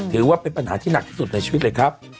ถือว่าเป็นปัญหาที่หนักที่สุดในชีวิตเลยครับ